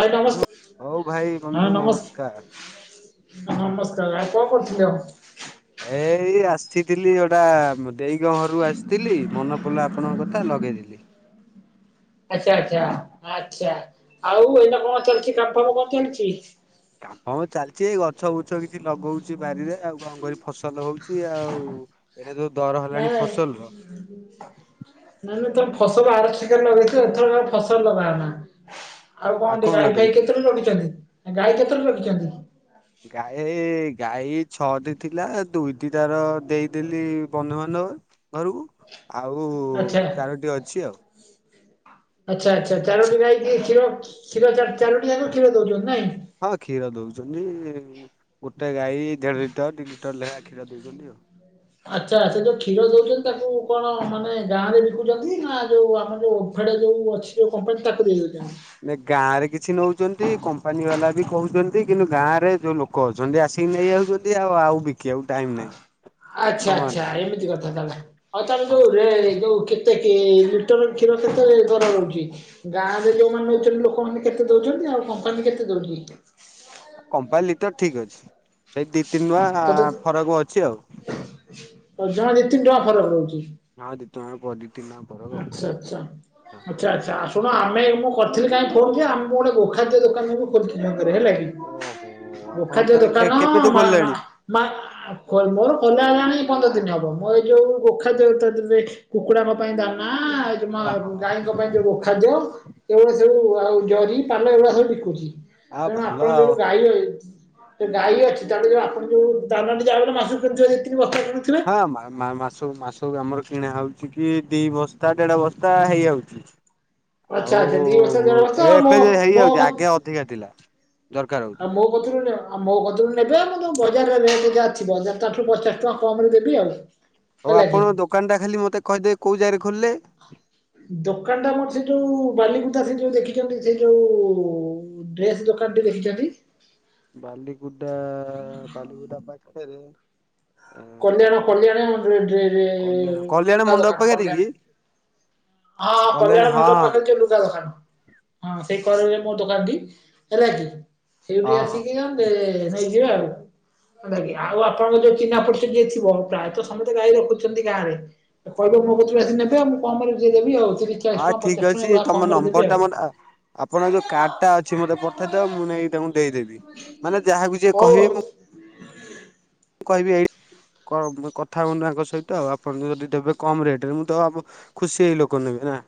ଭାଇ ନମସ୍କାର ହଉ ଭାଇ ବନ୍ଧୁ ନମସ୍କାର। ନମସ୍କାର ଆ କଣ କରୁଥିଲେ ଆଉ? ଏଇ ଆସିଥିଲି ଯଉଟା ଦେଇଙ୍କ ଘରୁ ଆସିଥିଲି ମନ ପଡିଲ ଆପଣଙ୍କ କଥା ଲଗେଇଦେଲି। ଆଚ୍ଛା ଆଚ୍ଛା ଆଚ୍ଛା ଆଉ ଏଇନା କଣ ଚାଲିଚି କାମଫାମ କଣ ଚାଲିଚି? ହଁ ଚାଲିଚି ଏଇ ଗଛ ବୁଛ କିଛି ଲଗଉଡ଼ି ବାରିରେ ଆଉ କଣ କରି ଫସଲ ହଉଚି ଆଉ ଏ ଯଉ ଦର ନାଁ ହେଲାଣି ଫସଲର ନାଇଁ। ଏବେ ତ ଫସଲ ଆର ସେ କଟରେ ଲଗେଇଛୁ ଏଥର କାଳେ ଫସଲ ଲଗା ନା। ଆଉ କଣ ଟିକେ ଗାଈ ଫାଇ କେତୋଟି ରଖିଛନ୍ତି ଗାଈ କେତେଟି ରଖିଛନ୍ତି? ଗାଈ ଗାଈ ଛଅଟି ଥିଲା ଦୁଇଟି ତାର ଦେଇଦେଲି ବନ୍ଧୁବାନ୍ଧବ। ଘରକୁ ଆଉ ଆଚ୍ଛା ଚାରୋଟି ଅଛି ଆଉ। ଆଚ୍ଛା ଆଚ୍ଛା ଚାରଟି ଗାଇ କି କ୍ଷର କ୍ଷୀର ଚାରି ଚାରଟି ଯାଙ୍କ କ୍ଷୀର ଦଉଛନ୍ତି ନାଇଁ। ହଁ କ୍ଷୀର ଦଉଚ଼ନ୍ତି ଗୋଟେ ଗାଈ ଦେଢ ଲିଟର ଦି ଲିଟର ଲେଖାଁ କ୍ଷୀର ଦଉଚ଼ନ୍ତି ଆଉ। ଆଚ୍ଛା ଆଚ୍ଛା ସେ ଯୋଉ କ୍ଷୀର ଦଉଚ଼ନ୍ତି ତାକୁ କଣ ମାନେ ଗାଁ ରେ ବିକୁଚ଼ନ୍ତି ନା ଯୋଉ ଆମର ଯୋଉ ଓ ମ୍ପଡ଼ ଯୋଉ ଅଛି ଯୋଉ କମ୍ପାନି ତାକୁ ଦେଇ ଦେଉଛନ୍ତି? ନା ଗାଁ ରେ କିଛି ନଉଚ଼ନ୍ତି କମ୍ପାନୀ ବାଲା ବି କଉଚ଼ନ୍ତି କିନ୍ତୁ ଗାଁ ରେ ଯୋଉ ଲୋକ କହୁଛନ୍ତି ଆସିକି ନେଇଯାଉଚ଼ନ୍ତି ଆଉ ଆଉ ବି ଆଚ୍ଛା ଆଚ୍ଛା ନାହିଁ। ଏମିତି କଥା ତାହେଲେ। ଆଉ ତାର ହଁ ଯୋଉ ରେ ଯୋଉ କେତେ ଲିଟର କ୍ଷୀର କେତେ ଦର ରହୁଚି। ଗାଁ ରେ ଯୋଉମାନେ ନଉଛନ୍ତି ଲୋକମାନେ କେତେ ଦଉଚନ୍ତି ଆଉ କମ୍ପାନୀ କେତେ ଦଉଚି? କମ୍ପାନୀ ଲିଟର ଠିକ୍ ଅଛି ସେଇ ଦି ତିନି ଟଙ୍କା ଫରକ ଅଛି ଆଉ। ବଜାରରେ ତିନି ଟଙ୍କା ଫରକ ରଉଛି। ହଁ ଦିଟଙ୍କା ବଢି ତିନି ଟଙ୍କା। ଫରକ ଆଉ। ଆଚ୍ଛା ଆଚ୍ଛା। ଆଚ୍ଛା ଆ ଶୁଣ ଆମେ ମୁଁ କରିଥିଲି କାହିଁ ଫୋନ କି ଆମକୁ ଗୋଟେ ଗୋଖାଦ୍ୟ ଦୋକାନକୁ ଖୋଲିଛି ଛକରେହେଲେ ଓହୋ ଆପଣ ଗୋଖାଦ୍ୟ ତାହେଲେ କେ ଦୋକାନ କେବେଠୁ ମା ମା ଖୋଲିଲେଣି ମା ମୋର ଖୋଲା ହେଲାଣି ପନ୍ଦର ଦିନ ହବ ମୋ ଏଇ ଯୋଉ ଗୋଖାଦ୍ୟ ଯଉ ଦେଇ କୁକୁଡାଙ୍କ ଦାନା ଗାଈଙ୍କ ପାଇଁ ଓହୋ। ଯୋଉ ଖାଦ୍ୟ ଏଭଡ଼ାସବୁ ଆଉ ଜରି ପାନ ଏଇଭଳିଆ ସବୁ ବିକୁଛି। ତେଣୁ ଆଉ ଗାଇ ରହିବେ। ଗାଈ ଅଛି ଚା ଆପଣ ଯୋଉ ଦାନା ମାସକୁ ଯେତିକି ବସ୍ତା କିଣୁଥିବେ। ହଁ ମାସ ମାସ ଆମର କିଣା ହଉଛି କି ଦି ବସ୍ତା ଦେଢ଼ ବସ୍ତା ହେଇଯାଉଚି। ଆଚ୍ଛା ଆଚ୍ଛା ଦୁଇ ବସ୍ତା ଦେଢ ବସ୍ତା ଏବେ ମୋ ଏବେ ମୋ ହେଇଯାଉଛି ଆଗେ ଅଧିକା ଥିଲା ଦରକାର ହଉଥିଲା। କୋଉଥରୁ ନିଅ ଆଉ ମୋ କତରୁ ନେବେ ଆଉ ତ ବଜାରରେ ରେଟ୍ ଯାହା ଥିବ ତାଠାରୁ ପଚାଶ ଟଙ୍କା କମରେ ଦେବି ଆଉ। [inaudible] ଆଉ କି। ଆପଣ ଦୋକାନଟା ଖାଲି ମୋତେ କହିଦେବେ କଉ ଜାଗାରେ ଖୋଲିଲେ? ଦୋକାନ ଟା ମର ସେ ଯୋଉ ବାଲିକୁୁଦା ସେ ଯୋଉ ଦେଖିଛନ୍ତି ସେ ଯୋଉ ଡ୍ରେସ ଦୋକାନ ଟି ଦେଖିଛ ବାଲିକୁଦା ବାଲିକୁଦା ପାଖରେ? ଆଁ କଲ୍ୟାଣ କଲ୍ୟାଣ ରେ ରେ କଲ୍ୟାଣ କଲ୍ୟାଣ ଲୁଗା ମଣ୍ଡପ ଦୋକାନ ପାଖରେ କଲ୍ୟାଣ। କି? ହଁ ସେ କଲ୍ୟାଣୀ କଲ୍ୟାଣ ହଁ ମଣ୍ଡପ ହଁ ପାଖରେ ଯଉ ଲୁଗା ଦୋକାନ। ହଁ ସେଇ କରରେ ମୋ ଦୋକାନଟି ହେଲାକି ସେଇଠି ହଁ ଆସି ହଁ ନିଅ ଏ ନେଇଯିବେ ଆଉ ଆଉ ଆପଣଙ୍କ ଯୋଉ ଚିହ୍ନା ପଡି ଯିଏ ଥିବ ପ୍ରାୟତଃ ସମସ୍ତେ ଗାଈ ରଖୁଛନ୍ତି ଗାଁରେ କହିବ ମୋ ହଁ କୋତୁରୁ ଆସି ନେବେ ଆ କମରେ ଯେ ଦେବି ଆଉ। ଚାଳିଶ ହଁ ଟଙ୍କା ଠିକ୍ ପଚାଶ ଟଙ୍କା ଅଛି ଏଇଭଳିଆ ତମ କମରେ ଦେବି ନମ୍ବର ଆଉ। ଟା ମତେ ଆପଣଙ୍କ ଯୋଉ କାର୍ଡ ଟା ଅଛି ମତେ ପଠେଇ ଦେବେ ମୁଁ ନେଇକି ତାଙ୍କୁ ଦେଇଦେବି ମାନେ ଯାହାକୁ ଯିଏ ହଉ କହିବେ ଆଉ ମୁଁ ମୁଁ କହିବି ଏଇ କଥା ହୋଉନ ଆଙ୍କ ସହିତ ଆଉ ଆପଣଙ୍କୁ ଯଦି ଦେବେ କମ୍ ରେଟରେ ମୁଁ ତ ଖୁସି ହେଇ ଲୋକ ନେବେ ନା।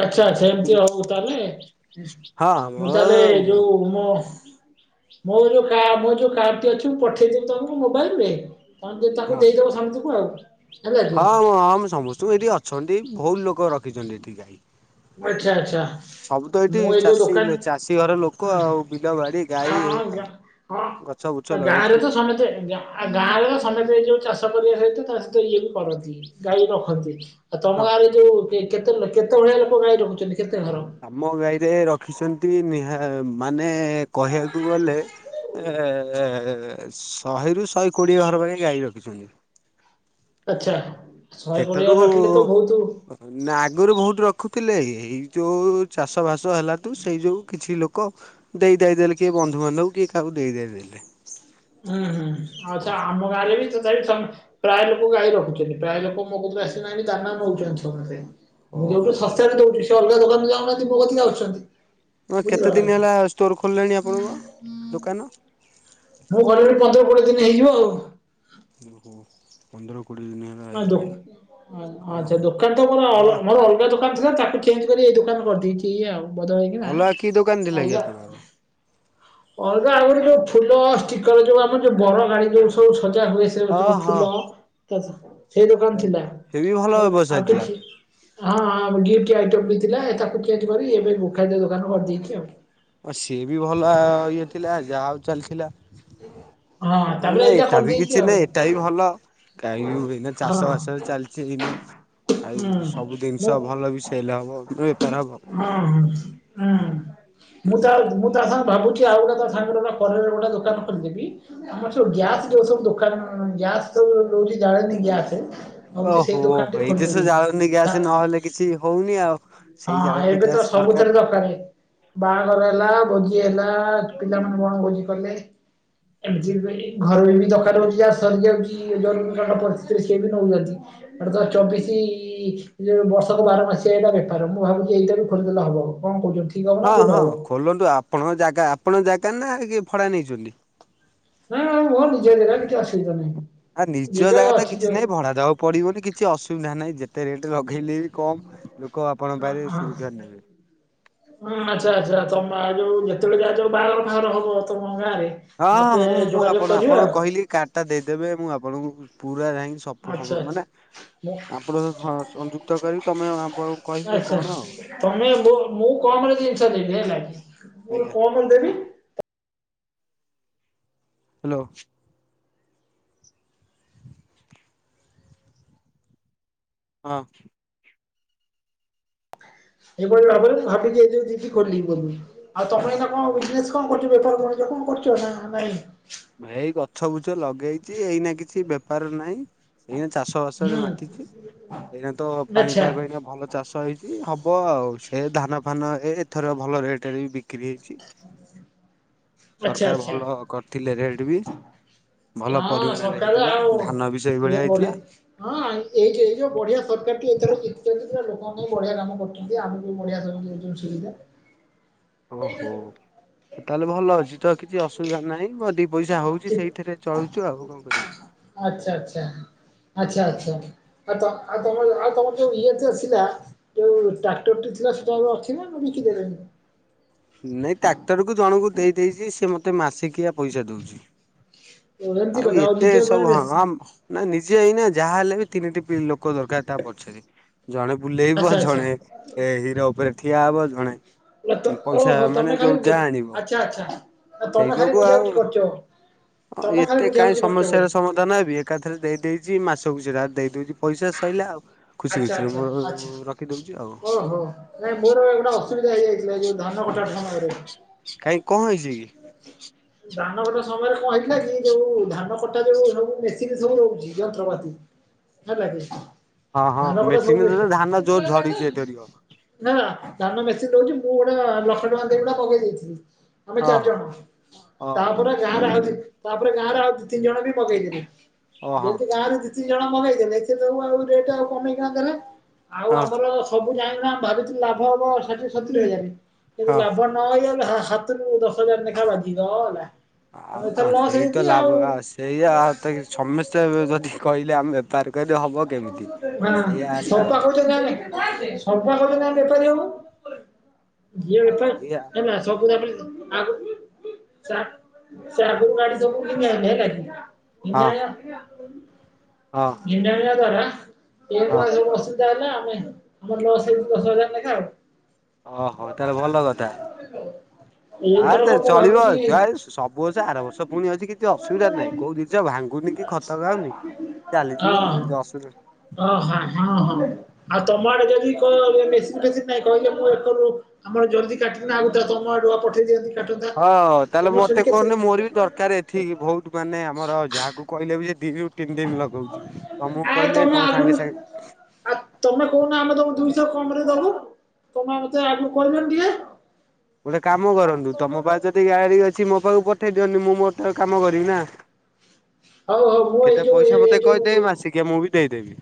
ଆଚ୍ଛା ସେମିତି ହୋଉ ତାହେଲେ ହଁ ମୁଁ ତାହେଲେ ମୋ ଯୋଉ ମୋ ମୋର କା ଯୋଉ କାର୍ ଟି ଅଛି ମୁଁ ପଠେଇଦବି ତମକୁ ମୋବାଇଲି ରେ? ତାକୁ ହଁ ଦେଇଦବ ସମତିକି ଆଉ। ହେଲା କି ହଁ ଅ ହଁ ସମସ୍ତଙ୍କୁ ଏଠି ଅଛନ୍ତି ବୋହୁତୁ ଲୋକ ରଖିଛନ୍ତି ଏଠି ଗାଈ। ଆଚ୍ଛା ଆଚ୍ଛା। ସବୁ ତ ଏଇଠି ମୁଁ ଏଇ ଯୋଉ ଚାଷୀ ଦୋକାନ ଚାଷୀ ଘର ଲୋକ ଆଉ ବିଲ ବାଡି ହଁ ଗାଈ ହଁ ଏଇଆ ଗା ଆଉ। ହଁ ତ ଗାଁରେ ତ ସମତେ ଗାଁ ଆଉ ଗାଁରେ ସମସ୍ତେ ଏ ଯୋଉ ଚାଷ କରିବା ସହିତ ତା ସହିତ ଇଏ ବି କରନ୍ତି ଗାଈ ରଖନ୍ତି ଆଉ ହଁ ତମ ଗାଁରେ ଯୋଉ କେତେ କେତେ ଭଳିଆ ଲୋକ ଗାଈ ରଖୁଛନ୍ତି କେତେ ଘର? ଆମ ଗାଈରେ ରଖିଛନ୍ତି ନିହା ମାନେ କହିବାକୁ ଗଲେ ଏ - ଏ - ଏ ଶହେରୁ ଶହେ କୋଡ଼ିଏ ଘର ପାଇଁ ଘର ଗାଈ ରଖିଛନ୍ତି। ଆଚ୍ଛା ଶହେ କୋଡିଏ ସେଠାରୁ ଘରେ ରଖିଲେ ତ ବୋହୁତୁ ନା ଆଗରୁ ବହୁତୁ ରଖୁଥିଲେ ଏଇ ଯୋଉ ଚାଷବାସ ହେଲା ଠୁ ସେଇ ଯୋଉ କିଛି ଲୋକ ଦେଇ ଦୁଆ ଦେଲେ କିଏ ବନ୍ଧୁବାନ୍ଧବଙ୍କୁ କିଏ କାହାକୁ ଦେଇ ଦୁଆ ଦେଲେ। ହୁଁ ହୁଁ ଆଉ ସେ ହଁ ଆମ ଗାଈ [unintelligible] ପ୍ରାୟେ ଲୋକ ଗାଈ ରଖୁଛନ୍ତି ପ୍ରାୟେ ଲୋକ ମୋ କତୁରୁ ଆସିନାହାଁନ୍ତି ଦାନା ନୋଉଛନ୍ତି ସମସ୍ତେ। ମୁଁ ଯୋଉଠୁ ଓହୋ। ଶସ୍ତା ଦୋଉଛି ସେ ଅଲଗା ଦୋକାନରେ ଯାଉନାହାନ୍ତି ମୋ କତିକି ଆସୁଛନ୍ତି। ତମେ ବୁଝିଲ କେତେ ନା ଦିନ କି। ହେଲା ଷ୍ଟୋର ଖୋଲିଲାଣି ଆପଣଙ୍କ ଦୋକାନ? ମୁଁ ଘରେ ଘଡି ପନ୍ଦର କୋଡିଏ ଦିନ ହେଇଯିବ ଆଉ। ଓହୋ ପନ୍ଦର କୋଡ଼ିଏ ଦିନେ ନାଦୋ ହଁ ଆଚ୍ଛା ଦୋକାନ ତ ଆ ମର ମୋର ଅଲଗା ଦୋ ଥିଲା ତାକୁ ଚେଞ୍ଜ କରି ଏଇ ଦୋକାନ କରିଦେଇଛି ଆଉ ବଦଳ ହେଇକି ନା ଅଲଗା କି ଦୋକାନ ଥିଲା କି ଅଲଗା ଆପଣଙ୍କର? ଅଲଗା ଆଉ ଗୋଟେ ଯୋଉ ଫୁଲ ଷ୍ଟିକର ଯୋଉ ଆମର ଯୋଉ ବର ଗାଡି ଯୋଉ ସବୁ ସଜା ହୁଏ ସେଠୁ ହଁ ଯୋଉ ହଁ ଫୁଲ ସେଇ ଦୋକାନ ଥିଲା ସେ ବି ଭଲ ବ୍ୟବସାୟ ଆଉ ଥିଲା। କିଛି ହଁ ଗିଫ୍ଟ ଆଇଟମ୍ ବି ଥିଲା ତାକୁ ଚେଞ୍ଜ କରି ଏବେ ମୁଖାଦ ଦୋକାନକୁ କରିଦେଇକି ଆଉ ସିଏ ବି ଭଲ ଇଏ ଥିଲା ଯାହା ଆଉ ଚାଲିଥିଲା। ହଁ ମୁଁ ତାପରେ କହିଲି ଏଇଟା ବି କରିଦେଇଛି କିଛି ଆଉ ନାହିଁ ଏଇଟା ବି ଭଲ। ଗାଈ ଏଇନା ହଁ ଚାଷ ବାସ ଚାଲିଛି ଏଇନା। ହୁଁ ଆଉ ସବୁ ମୁଁ ଜିନିଷ ଭଲ ବି ସେଲ୍ ହବ ଆଉ ବେପାର ହବ ହଁ ହୁଁ। ମୁଁ ତା ମୁଁ ତା ସାଙ୍ଗେ ଭାବୁଛି ଆଉ ଗୋଟେ ତା ସାଙ୍ଗରେ ପରେ ଗୋଟେ ଦୋକାନ ଖୋଲିଦେବି, ଆମର ସୁ ଗ୍ୟାସ ଯୋଉ ସବୁ ଦୋକାନ ଗ୍ୟାସ୍ ସବୁ ରହୁଛି ଜାଲେଣି ଗ୍ୟାସ ଓହୋ ଓହୋ ଏଇଥିସେ ଯାଉନି ତା ଗ୍ୟାସ ନହେଲେ କିଛି ହୋଉନି ଆଉ। ସେଇ ହଁ ଜାଳେନୀ ଏବେ ଗ୍ୟାସ ତ ଦରକାର। ସବୁଥିରେ ଦରକାରେ। ବାହାଘର ହେଲା ଭୋଜି ହେଲା ପିଲାମାନେ କଣ ଭୋଜି କଲେ ଏମିତି ଘରେ ଦରକାର ହୋଉଛି ଯାହା ସରିଯାଉଛି ଜରୁରୀ ପରିସ୍ଥିତିରେ ସିଏ ବି ନୋଉନାହାନ୍ତି। ଏଟେ ତ ଚବିଶି ବର୍ଷ ତ ବାରମାସି ହେଇଲା ବେ ମୁଁ ଭାବଛି ଏଇଟା ବି ଖୋଲିଦେଲେ ହବ କଣ କହୁଛନ୍ତି? ଠିକ୍ ହବ ନା ହଁ ଭୁଲ ହଁ ହବ? ଖୋଲନ୍ତୁ ଆପଣଙ୍କ ଜାଗା ଆପଣଙ୍କ ଜାଗା ନା କି ଭଡ଼ା ନେଇଛନ୍ତି? ନାଁ ମୋର ନିଜେ ଘର କିଛି ଅସୁବିଧା ନାହିଁ। ଆ ନିଜ ଜାଗା ତ ଅଛି କିଛି ଯୋଉ ନାଇଁ ଭଡାବାକୁ ପଡିବନି କିଛି ଅସୁବିଧା ନାହିଁ ଯେ ତେ ରେଟ୍ ଲଗାଇଲେ ବି କମ୍ ଲୋକ ଆପଣଙ୍କ ପାଖେ ହଁ। ସୁରକ୍ଷାରେ ନେବେ। ହଁ ଆଚ୍ଛା ଆଚ୍ଛା ତମ ଯୋଉ ଯେତେବେଳେ ଯାହା ଯୋଉ ବାହାର ବାହାର ହବ ତମ ଗାଁ ରେ ହଁ ହଁ ମୁଁ ମୁଁ ଆପଣ ଆପଣ କହିଲି କାର୍ଡ ଟା ଦେଇଦେବେ ମୁଁ ଆପଣଙ୍କୁ ପୁରା ଯାଇକି ସୁ ସବୁ ଆଚ୍ଛା ହବ ଆଚ୍ଛା। ମାନେ ମୁଁ ଆପଣ ସଂଯୁକ୍ତ କରିବି ତମେ ଆପଣଙ୍କୁ କହିବେ ଆଚ୍ଛା କଣ ଆଉ ତମେ ମୁଁ ମୁଁ କମ୍ ରେ ଜିନିଷ ଦେବି ହେଲା କି ଆଜ୍ଞା। କଣ କଣ ଦେବି? ହ୍ୟାଲୋ। ହଁ। ଏଇଭଳି ଭାବରେ ଭାବିକି ଆଇଚି ଯିବି ଖୋଲିବି ବୋଲି। ଆଉ ତମର ଏନା କଣ ହଁ। ବିଯିନେଶ କଣ କରୁ ବେପାର ବଣିଜ କଣ କରିଚ ନା ନାଇଁ? ଏଇ ଗଛ ବୁଛ ଲଗେଇଛି ଏଇନା କିଛି ବେପାର ନାହିଁ। ଏଇନା ଚାଷ ବାସରେ ହୁଁ ମାତିିଛି ଏଇନା ତ ଆଚ୍ଛା ପାଣିପାଗ ଏଇନା ଭଲ ଚାଷ ହେଇଛି ହବ ଆଉ ସେ ଧାନ ଫାନ ଏ ଏଥର ଭଲ ରେଟରେ ବି ବିକ କ୍ରୀ ହେଇଛି। ଆଚ୍ଛା ସରକାର ଆଚ୍ଛା ଭଲ କରିଥିଲେ ରେଟ ବି। ଭଲ ହଁ ପରିମାଣରେ ସକାଳେ ହେଇଥିଲା ଧାନ ବି ସେଇଭଳିଆ ହେଇଥିଲା। ହାଁ ଏଇଠି ଏଇ ଯୋଉ ବଢିଆ ସରକାର ଏଥର ଜିତିଛନ୍ତି ଲୋକଙ୍କ ପାଇଁ ବଢିଆ କାମ କରୁଛନ୍ତି। ଶେନ୍ତି ଆମକୁ ବି ବଢିଆ ସବୁ ଦେଉଛନ୍ତି ସୁବିଧା। ଓହୋ ତାହେଲେ ଭଲ ଅଛି ତ କିଛି ଅସୁବିଧା ନାହିଁ। [unintelligible] ପଇସା ହେଉଛି ସେଇଥିରେ ଚଳୁଛୁ ଆଉ କଣ କରିବୁ। ଆଛା ଆଚ୍ଛା ଆଛା ହୁଁ ଆଚ୍ଛା। ହୁଁ। ଆଉ ତମ ଆଉ ତମର ଯୋଉ ଇଏଥେ ଆସିଲା ଯୋଉ ଟ୍ରାକ୍ଟର ଟି ଥିଲା ଛୁଆବେଳୁ ଅଛି ନା ବିକି ଦେଲେଣି? ନାଇଁ ଟ୍ରାକ୍ଟର କୁ ଜଣଙ୍କୁ ଦେଇ ଦେଇଛି ସେ ମତେ ମାସିକିଆ ପଇସା ଦଉଛି। ଓ ଏମିତି ଆଉ କଥା ଏତେ ନିଜ ଉପରେ ସବୁ ହଁ ବେଶୀ ହମ ନା ନିଜେ ଏଇନା ଯାହା ହେଲେ ବି ତିନିଟିପି ଲୋକ ଦରକାର ତା ପଛରେ। ଜଣେ ବୁଲେଇବ ଆଚ୍ଛା ଆଚ୍ଛା। ଜଣେ ଏ ହିର ଉପରେ ଠିଆ ହବ ଜଣେ ପଇସା ଓହୋ ମାନେ ତମେ ଖାଲି ଯୋଉ ଯାହା ଆଣିବ ଆଚ୍ଛା ଆଚ୍ଛା ସେଇ ତମେ ଖାଲି ଯୋଗୁ ବୁଝାବୁଝି କରୁଚ ତମ ଖାଲି ତେ କାଇଁ ସମସ୍ୟାର ସମଦ ଧ ନେବି ଏକାଥରେ ଦେଇଦେଇଚି ମାସକୁ ସିଏ ତାର ଦେଇଦଉଚି ପଇସା ସଇିଲା ଆଉ। ଖୁସି ଆଚ୍ଛା ଖୁସିରେ ଆଚ୍ଛା ମୋର ଆଚ୍ଛା। ରଖିଦୋଉଛି ଆଉ। ଓହୋ ନାଇଁ ମୋର ଗୋଟେ ଅସୁବିଧା ହେଇଯାଇଥିଲା ଯୋଉ ଧାନ କଟା ସମୟରେ। କାଇଁ କଣ ହେଇଛି କି? [inaudible] ଧାନ କଟା ସମୟରେ କଣ ହେଇଥିଲା କି ଯୋଉ ଧାନ କଟା ଯୋଉ ସବୁ ମେସିନ୍ ସବୁ ଯନ୍ତ୍ରପାତି ହେଲାକି ଧନ ହଁ ହଁ ଧାନକଟା ମେସିନ ସବୁଠୁ ରେ ଧାନ ଜୋର ଝଡିଛି ବେଷ୍ଟ। ଏଥରିକ ନା ନା ଧାନ ମେସିନ ଦୋଉଛି। ମୁଁ ଗୋଟେ ଲକ୍ଷ ଟଙ୍କା ଦେଇକି ଗୋଟା ପକେଇ ଦେଇଥିଲି ଆମେ ହଁ ଚାରି ହଁ ଜଣ ଓ ହଉ ତାପରେ ଗାଁରେ ଆଉ ଦି ତିନି ତାପରେ ଗାଁ ରେ ଆଉ ଦି ତିନି ଜଣ ବି ମଗେଇଦେଲେ। ଓ ହଁ ଯେମିତି ଗାଁରେ ଦି ତିିନି ଜଣ ମଗେଇ ଦେଲେ ସେ ସବୁ ଆଉ ରେଟ୍ ଆଉ କମେଇଥାନ୍ତେ ନା। ଆଉ ହଁ ଆମର ସବୁ ଗାଡ଼ି ଗୁଡା ବହୁତ ଲାଭ ହବ ଷାଠିଏ ସତୁରରି ହଜାର କିନ୍ତୁ ହଁ। ଲାଭ ନହେଲେ ଆମେ ହା ହାତରୁ ଦଶ ହଜାର ନଖେ ବାଜିଗଲା। ଆଉ ଏଥର କଣ ଲସ୍ ସେଇ ହେଇଛି ତ ଆଉ। ହଁ ଲାଭ ସେଇଆ ତ ସମସ୍ତେ ଯଦି କହିଲେ ଆମେ ତାରିକରେ ହବ କେମିତି ସେଇଆ ହେଲା ଆଉ। ସବୁ ପା କହୁଚନ୍ତି ଆମେ ବେପାରି ହୋ। ଯିଏ ଆଉ ଯେତେ ସେଇଆ [unintelligible] ସେ ଆଗକୁ ଗାଡି ସବୁ ମେନଣ୍ଢେଇଲା କିଏ କିନ୍ତି ହଁ ଜାଣିବା? ହଁ। ଏହା ଦ୍ଵାରା ଏ ହଁ ଭଳିଆ ସବୁ ଅସୁବିଧା ହେଲା ଆମେ ମୋର ଲସ୍ ହେଇଛି ଦଶହଜାରେ ନେଖା ଆଉ। ଓହୋ ତାହେଲେ ଭଲ କଥା। [unintelligible] ଆଏ ତ ମୁଁ ଚଳିବ ଭାବୁଛି ଯ ସବୁ ବର୍ଷ ଆର ବର୍ଷ ପୁଣି ଅଛି କିଛି ଅସୁବିଧା ନାହିଁ କୋଉ ଜିନିଷ ଭାଙ୍ଗୁନି କି ଖ ତ ଯାଉନି ଚାଲିଯିବ ଆଉ କିଛି ଅସୁବିଧା ଓହାଁ ହଁ ହଁ ଆଉ ତମ ଆଡେ ଯଦି କ ଜେ ସି ବି ଫେ ସି ବି ନାହିଁ କହିଲେ ମୁ ଏକରୁ ଆମର ଜଲ୍ଦୀ କାଟିକିନା ଆଗତୁରା ତମ ଆଡୁଆ ପଠେଇ ଦିଅନ୍ତି। କାଟନ୍ତା। ହଁ ତାହେଲେ ତମର ସେଠି ମତେ କେତେ? କୁହନି ମୋର ବି ଦରକାର ଏଥି ବହୁତ ମାନେ ଆମର ଯାହାକୁ କହିଲେ ବି ଦି ଦିନରୁ ତିନି ଦିନ ଲଗଉଛି ତମକୁ କହିଲେ ତମେ ସାଙ୍ଗେ ସାଙ୍ଗେ ଆଉ ତମେ କହୁନା ଆମେ ତମ ଦୁଇଶହ କମରେ ଦବୁ ତମେ ମତେ ଆଗରୁ କହିଲନି ଟିକେ। ଗୋଟେ କାମ କରନ୍ତୁ ତୋମ ପାଖ ଯଦି ଗାଡି ଅଛି ମୋ ପାଖକୁ ପଠେଇ ଦିଅନ୍ତି। ମୁଁ ମୋର ଟା କାମ କରିବି ନା। ହଉ ହଉ ମୁଁ ଏଇ ଯୋଉ ଏଇ ଏଇ ଯୋଉ କିଏ ମୁଁ ବି ଦେଇଦେବି।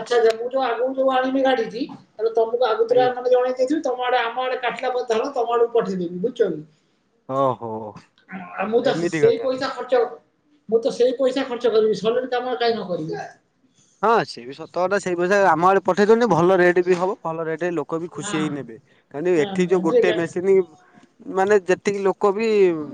ଆଚ୍ଛା, ଆଚ୍ଛା ମୁଁ ଯୋଉ ଆଗକୁ ଯୋଉ ଆଣିମି ଗାଡିଟି ତାପରେ ତୋମକୁ ଆଗୁ ଥୁରିଆ ଆଜ୍ଞା ମାନେ ଜଣେ ଏଇ ଯୋଉ ତମଆଡ଼େ ଆମ ଆଡ଼େ କାଟିଲା ପଥର ତମଆଡ଼କୁ ପଠେଇଦେଲି ବୁଚକି। ଓହୋ ଆଉ ମୁଁ ତାହେଲେ ତାକୁ ଏମିତି ସେଇ କଥା। ପଇସା ଖର୍ଚ୍ଚ ମୁଁ ତ ସେଇ ପଇସା ଖର୍ଚ୍ଚ କରିବି ସଲିଟ କାମ କାଇଁ ନ କରିବି। ହଁ ସିଏ ବି ସତକଥା ସେଇ ପଇସା ଆମ ଆଡ଼େ ପଠେଇ ଦେନେ ଭଲ ରେଟ୍ ବି ହବ। ଭଲ ରେଟ୍ ଏ ଲୋ କ ବି ଖୁସି ହେଇ ନେବେ। କାଇଁ ନା ଏଠି ଯୋଉ ଗୋଟେ ମେସିନି ମାନେ ଯେତିକି ଲୋ କ ବି ଉଁ,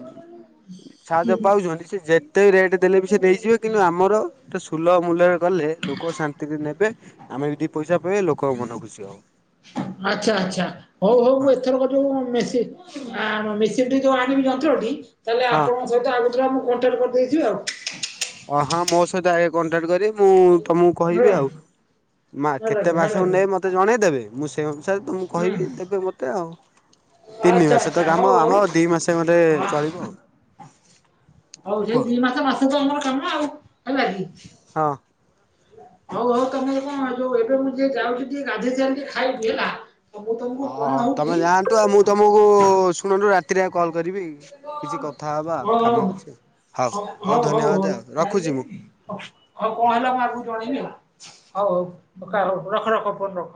ସାହାଯ୍ୟ ପାଉଚନ୍ତି ସେ ଯେ ତେ ବି ରେଟ୍ ଦେଲେ ବି ସେ ନେଇଯିବେ। କିନ୍ତୁ ଆମର ଟେ ସୁଲଭ ମୂଲ୍ୟରେ କଲେ ଲୋକ ଶାନ୍ତିରେ ନେବେ। ଆମେ ବି ଦି ପଇସା ପାଇବା। ଲୋକଙ୍କ ମନ ଖୁସି ହବ। ଆଚ୍ଛା, ଆଚ୍ଛା ହଉ ହଉ ମୁଁ ହଁ ଏଥରକ ଯୋଉ ମେସି ଆ, ମୁଁ ମେସିନ୍ ଯୋଉ ଆଣିବି ଯନ୍ତ୍ରଟି ତାହେଲେ ହଁ। ଆପଣଙ୍କ ସହିତ ଆଗ ଥୁରା ମୁଁ କଣ୍ଟାକ୍ଟ କରିଦେଇଥିବି ଆଉ। ଓ ହଁ ମୋ ସହିତ ଆଗେ କଣ୍ଟାକ୍ଟ କରି ମୁଁ ତୋମକୁ କହିବି ହେଲା ଆଉ। ମା- ହେଲା କି କେତେ ହେଲା ମାସକୁ କି। ନେ ମୋତେ ଜଣେଇଦେବେ। ମୁଁ ସେ ଅନୁ ସାରେ ତ ମୁଁ ହୁଁ କହିବି ଦେବେ ମୋତେ ଆଉ। ତିନି ଆଚ୍ଛା ମାସ ତ ଆଚ୍ଛା ହଉ କାମ ହଉ ଆମ ଦି ମାସେ ଖଣ୍ଡେ ଆ ଚଳିବ। ହଉ ସେଇ କୁହ। ଦି ମାସ ମାସେ ତ ଆମର କାମ ଆଉ। ହେଲା କି? ହଁ। ହଉ ହଉ କାମ ଯେ କଣ ଯୋଉ ଏବେ ମୁଁ ଯିଏ ଯାଉଛି ଟିକେ ଗାଧେଇ ଥାଆନ୍ତି, ଖାଇବି ହେଲା। ତ ମୁଁ ତମକୁ ହଁ କଣ ହଉ ହଉଛି ତୋମେ ଯାଆନ୍ତୁ, ଆଉ ମୁଁ ତୋମକୁ ଶୁଣନ୍ତୁ ରା ତିରେ ଆଉ କଲ୍ କରିବି, କିଛି କଥା ହବା ଓ ଆଉ, ହଉ କାମ ଅଛି ଆଉ। ହଉ ହଉ ଧନ୍ୟବାଦ ଆଉ। ରଖୁଚି ମୁଁ। ହଁ କଣ ହେଲା ମୁଁ ଆଗକୁ ଜଣେଇବି ଆଉ ହଉ ହଉ [unintelligible] ରଖ ରଖ ଫୋନ୍ ରଖ।